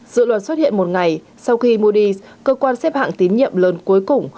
dự luật xuất hiện một ngày sau khi moody s cơ quan xếp hạng tín nhiệm lớn cuối cùng